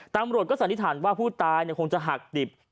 ตำรวจก็สันนิษฐานว่าผู้ตายคงจะหักดิบ